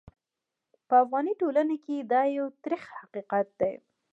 په افغاني ټولنه کې دا یو ترخ حقیقت دی.